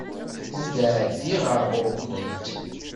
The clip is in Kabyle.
Ad d-ɛeddiɣ ar ɣuṛ-kent.